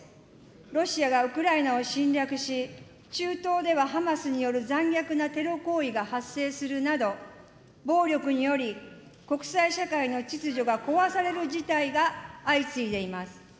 ロシアがウクライナを侵略し、中東ではハマスによる残虐なテロ行為が発生するなど、暴力により、国際社会の秩序が壊される事態が相次いでいます。